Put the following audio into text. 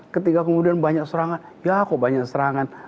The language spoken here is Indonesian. ketika kemudian banyak serangan ya kok banyak serangan